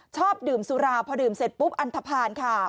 ชอบดื่มสุราพอดื่มเสร็จปุ๊บอันทภาณค่ะ